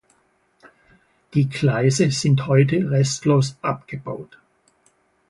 Die Gleise sind heute restlos abgebaut.